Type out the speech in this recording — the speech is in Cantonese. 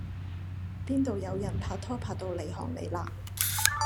邊道有人拍拖拍到離行離迾